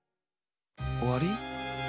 おわり？